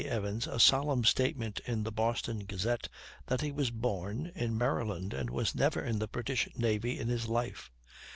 Evans a solemn statement in the Boston Gazette that he was born in Maryland and was never in the British navy in his life.